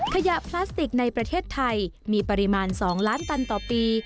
พลาสติกในประเทศไทยมีปริมาณ๒ล้านตันต่อปี